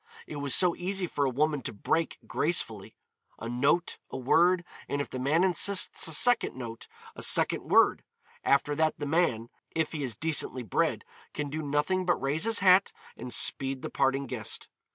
It was so easy for a woman to break gracefully. A note, a word, and if the man insists a second note, a second word; after that the man, if he is decently bred, can do nothing but raise his hat and speed the parting guest.